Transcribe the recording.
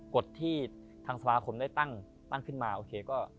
กฎที่ทางสมาคมได้ตั้งขึ้นมาโอเคก็